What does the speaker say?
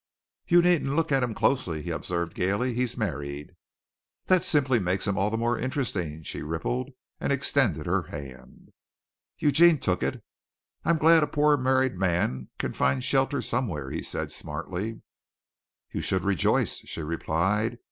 "You needn't look at him closely," he observed gaily, "he's married." "That simply makes him all the more interesting," she rippled, and extended her hand. Eugene took it. "I'm glad a poor married man can find shelter somewhere," he said, smartly. "You should rejoice," she replied.